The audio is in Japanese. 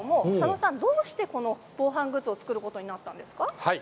どうして防犯グッズを作ることになったんですか？